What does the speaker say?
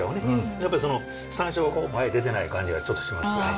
やっぱりさんしょうがこう前へ出てない感じがちょっとしますね。